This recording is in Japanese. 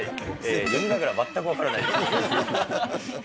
読みながら、全く分からないです。